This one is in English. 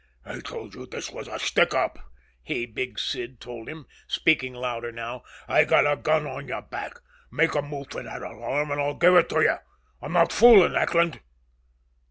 "I told you this was a stick up," he, Big Sid, told him, speaking louder now. "I got a gun on your back! Make a move for that alarm and I'll give it to you! I'm not fooling, Eckland!"